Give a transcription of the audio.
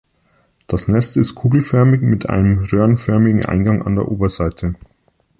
Das Nest ist kugelförmig mit einem röhrenförmigen Eingang an der Oberseite.